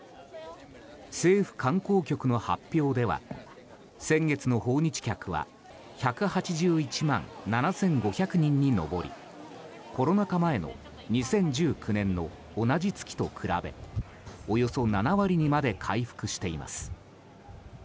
政府観光局の発表では先月の訪日客は１８１万７５００人に上りコロナ禍前の２０１９年の同じ月と比べおよそ７割にまで回復しています。